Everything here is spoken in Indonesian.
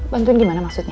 bantuin gimana maksudnya